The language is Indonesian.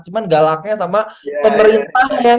cuman galaknya sama pemerintah yang mengambil harap